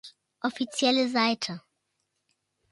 Offizielle Seite